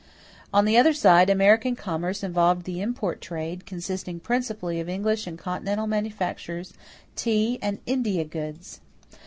On the other side, American commerce involved the import trade, consisting principally of English and continental manufactures, tea, and "India goods."